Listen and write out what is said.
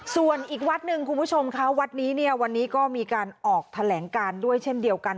ส่วนอีกวัดหนึ่งคุณผู้ชมคะวัดนี้เนี่ยวันนี้ก็มีการออกแถลงการด้วยเช่นเดียวกัน